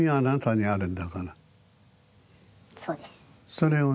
それをね